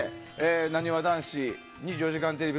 なにわ男子「２４時間テレビ」